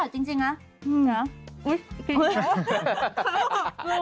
แต่จริงนะ